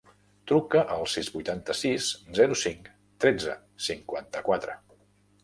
Truca al sis, vuitanta-sis, zero, cinc, tretze, cinquanta-quatre.